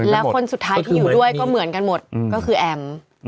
แล้วคนสุดท้ายที่อยู่ด้วยก็เหมือนกันหมดก็คือแอม